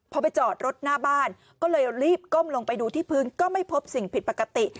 พอไปจอดรถหน้าบ้านก็เลยรีบก้มลงไปดูที่พื้นก็ไม่พบสิ่งผิดปกติ